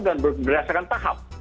dan berdasarkan tahap